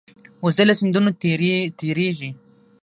وزې له سیندونو تېرېږي